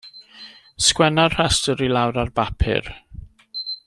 Sgwenna'r rhestr i lawr ar bapur.